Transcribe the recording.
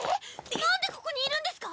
なんでここにいるんですか